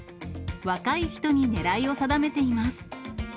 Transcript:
若い人に狙いを定めています。